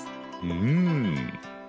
うん。